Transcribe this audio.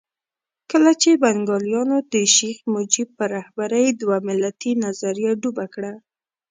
کله چې بنګالیانو د شیخ مجیب په رهبرۍ دوه ملتي نظریه ډوبه کړه.